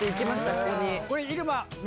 ここに。